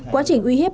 quá trình uy hiếp